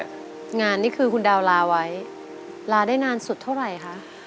งานนี่คือคุณดาวลาไว้ลาได้นานสุดเท่าไหร่คะ